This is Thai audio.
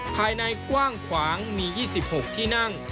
ภายในกว้างขวางมี๒๖ที่นั่ง